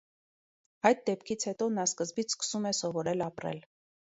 Այդ դեպքից հետո նա սկզբից սկսում է սովորել ապրել։